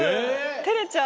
てれちゃう。